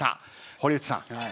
堀内さん。